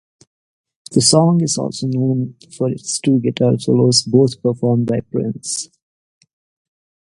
The song is also known for its two guitar solos both performed by Prince.